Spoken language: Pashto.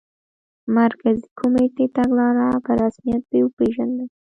مرکزي کمېټې تګلاره په رسمیت وپېژنده.